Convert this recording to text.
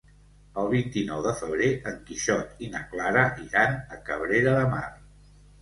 El vint-i-nou de febrer en Quixot i na Clara iran a Cabrera de Mar.